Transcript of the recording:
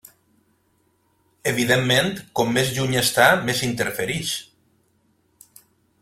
Evidentment, com més lluny està, més interfereix.